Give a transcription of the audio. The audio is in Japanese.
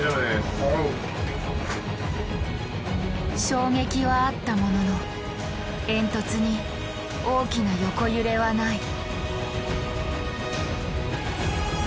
衝撃はあったものの煙突に大きな横揺れはない。